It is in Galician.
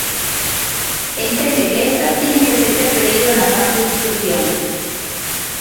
Entende que estas tiñan que se ter pedido na fase de instrución.